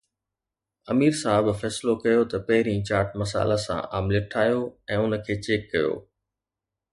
امير صاحب فيصلو ڪيو ته پهرين چاٽ مسالا سان آمليٽ ٺاهيو ۽ ان کي چيڪ ڪيو